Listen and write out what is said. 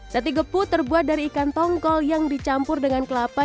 sate gepuk terbuat dari ikan tongkol yang dicampur dengan kelapa